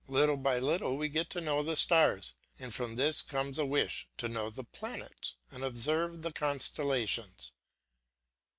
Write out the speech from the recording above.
Little by little we get to know the stars, and from this comes a wish to know the planets and observe the constellations.